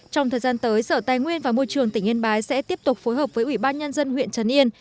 trong thời gian tới sở tài nguyên và môi trường tỉnh yên bái sẽ tiếp tục phối hợp với ủy ban nhân dân huyện trần yên